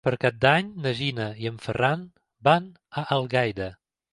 Per Cap d'Any na Gina i en Ferran van a Algaida.